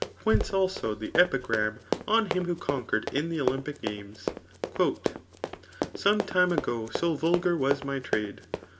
Whence, also, the epigram on him wb6 ccmqaered in the Olympic games. Some time igo so yulgaur was mj trade.